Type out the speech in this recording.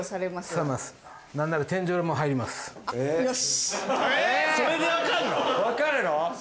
わかるの？